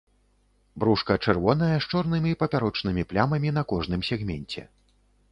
Брушка чырвонае з чорнымі папярочнымі плямамі на кожным сегменце.